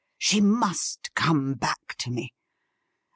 She must come back to me.